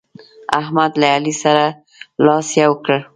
احمد له علي سره لاس يو کړ.